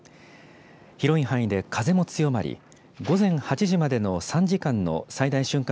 広い範囲で風も強まり、午前８時までの３時間の最大瞬間